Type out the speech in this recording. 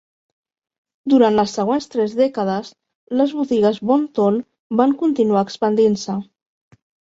Durant les següents tres dècades, les botigues Bon-Ton van continuar expandint-se.